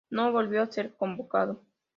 No volvió a ser convocado.